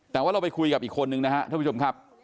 แต่ว่าเราไปคุยกับอีกคนนึงนะครับท่านผู้ชมครับ